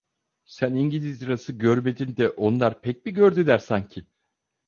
Sen İngiliz lirası görmedin de onlar pek mi gördüler sanki?